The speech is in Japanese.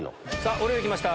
お料理きました